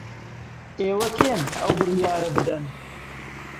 ئێوە کێن ئەو بڕیارە بدەن؟